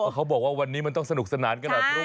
เขาบอกว่าวันนี้มันต้องสนุกสนานขนาดนู้น